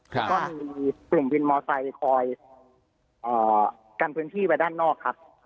ก็มีกลุ่มบินมอเตยคอยกันพื้นที่ไปด้านนอกครับ